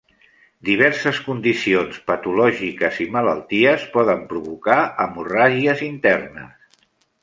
Diverses condicions patològiques i malalties poden provocar hemorràgies internes.